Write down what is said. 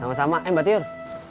sama sama eh mbak tiur